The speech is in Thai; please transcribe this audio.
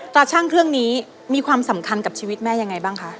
ช่างเครื่องนี้มีความสำคัญกับชีวิตแม่ยังไงบ้างคะ